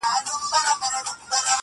که ته نه وې یوه بل ته دښمنان دي!.